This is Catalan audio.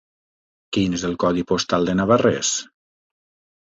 Quin és el codi postal de Navarrés?